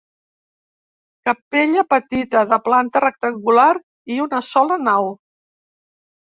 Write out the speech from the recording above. Capella petita, de planta rectangular i una sola nau.